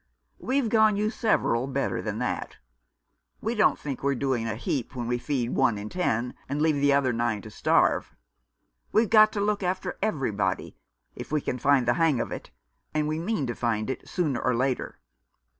We've gone you several better on that. We don't think we're doing a heap when we feed one in ten, and leave the other nine to starve. We've got to look after everybody, if we can find the hang of it — and we mean to find it sooner or later."